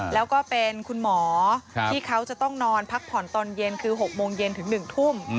แล้วก็เป็นคุณหมอที่เขาจะต้องนอนพักผ่อนตอนเย็นคือ๖โมงเย็นถึง๑ทุ่ม